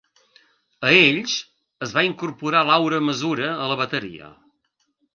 A ells es va incorporar Laura Masura a la bateria.